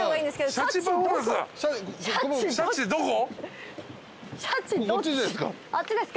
どこ？